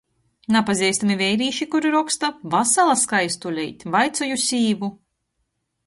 Napazeistami veirīši, kuri roksta: Vasala, skaistuleit. Vaicoju sīvu!